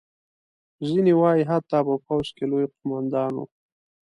ځینې وایي حتی په پوځ کې لوی قوماندان وو.